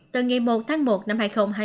từ ngày một tháng một năm hai nghìn hai mươi